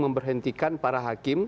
memberhentikan para hakim